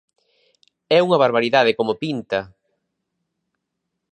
É unha barbaridade como pinta!